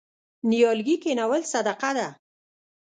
نیالګي کینول صدقه ده.